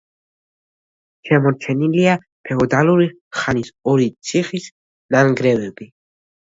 შემორჩენილია ფეოდალური ხანის ორი ციხის ნანგრევები.